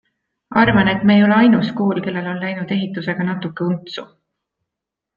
Arvan, et me ei ole ainus kool, kellel on läinud ehitusega natuke untsu.